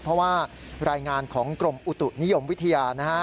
เพราะว่ารายงานของกรมอุตุนิยมวิทยานะฮะ